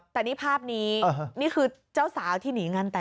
แต่นี่ภาพนี้นี่คือเจ้าสาวที่หนีงานแต่ง